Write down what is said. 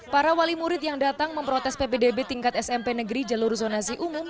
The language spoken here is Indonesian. para wali murid yang datang memprotes ppdb tingkat smp negeri jalur zonasi umum